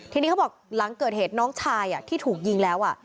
ทีนี้เขาบอกหลังเกิดเหตุน้องชายที่ถูกยิงแล้ว